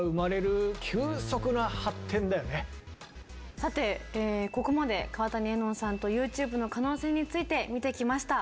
さてここまで川谷絵音さんとＹｏｕＴｕｂｅの可能性について見てきました。